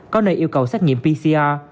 có nơi yêu cầu xét nghiệm pcr